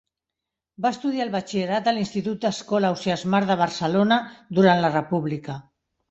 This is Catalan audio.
Va estudiar el Batxillerat a l'Institut Escola Ausiàs Marc de Barcelona durant la República.